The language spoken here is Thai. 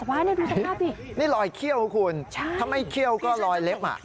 ดูสภาพสินี่รอยเขี้ยวครับคุณถ้าไม่เขี้ยวก็ลอยเล็บอ่ะ